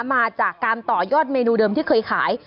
มาจากการต่อยอดเมนูเดิมที่เคยขาย